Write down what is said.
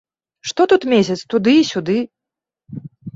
Што тут месяц туды-сюды?